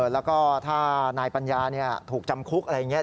แล้วก็ถ้านายปัญญาถูกจำคุกอะไรอย่างนี้